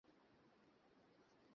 টগর চার বছর বয়সে মারা গেল না?